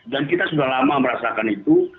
dan kita sudah lama merasakan itu